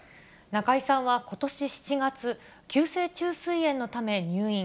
中居さんはことし７月、急性虫垂炎のため入院。